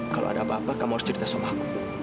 kalau ada apa apa kamu harus cerita sama aku